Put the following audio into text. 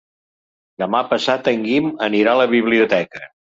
Demà passat en Guim anirà a la biblioteca.